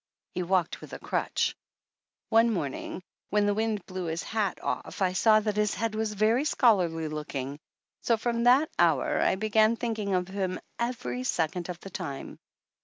He walked with a crutch. One morning when the wind blew his hat off I saw that his head was very scholarly 229 THE ANNALS OF ANN looking, so from that hour I began thinking of him every second of the time.